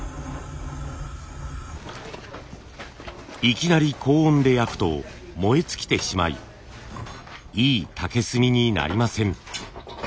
いきなり高温で焼くと燃え尽きてしまいいい竹炭になりません。